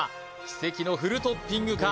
奇跡のフルトッピングか？